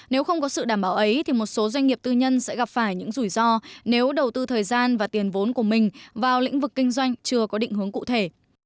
nếu không có sự đảm bảo ấy thì một số doanh nghiệp tư nhân sẽ gặp phải những rủi ro nếu đầu tư thời gian và tiền vốn của mình vào lĩnh vực kinh doanh chưa có định hướng cụ thể